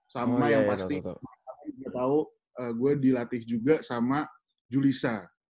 sama yang pasti gue dilatih juga sama julissa